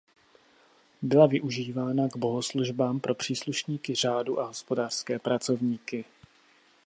Byla využívána k bohoslužbám pro příslušníky řádu a hospodářské pracovníky.